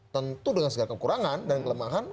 tentu dengan segala kekurangan dan kelemahan